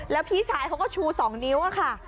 แล้วพี่ชายเขาก็ชู๒นิ้วค่ะ